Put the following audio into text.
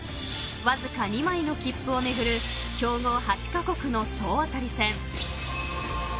［わずか２枚の切符を巡る強豪８カ国の総当たり戦］